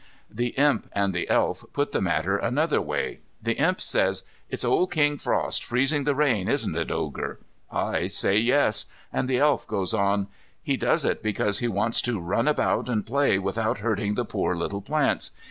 The Imp and the Elf put the matter another way. The Imp says, "It's old King Frost freezing the rain, isn't it, Ogre?" I say "yes." And the Elf goes on, "He does it because he wants to run about and play without hurting the poor little plants.